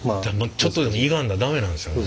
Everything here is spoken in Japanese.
ちょっとでもいがんだら駄目なんですよね。